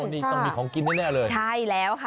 นี่ต้องมีของกินน่ะเนี่ยแน่เลยใช่แล้วค่ะ